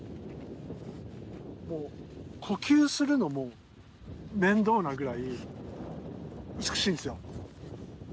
もう呼吸するのも面倒なぐらい美しいんですよ。